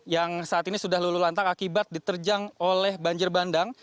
yang saat ini sudah lulu lantang akibat diterjang oleh banjir bandang